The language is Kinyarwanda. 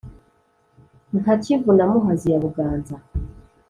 Nka kivu na muhazi ya Buganza